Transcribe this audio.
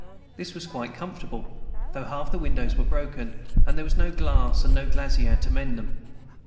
This was quite comfortable, though half the windows were broken, and there was no glass and no glazier to mend them.